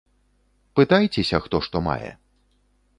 Пытайцеся, хто што мае.